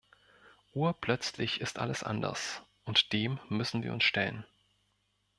Urplötzlich ist alles anders, und dem müssen wir uns stellen.